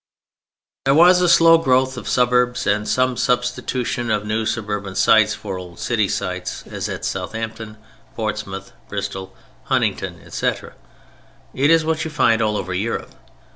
There was a slow growth of suburbs and some substitution of new suburban sites for old city sites—as at Southampton, Portsmouth, Bristol, Huntingdon, etc. It is what you find all over Europe.